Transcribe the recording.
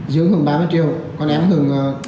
trưởng hừng ba mươi triệu còn em hừng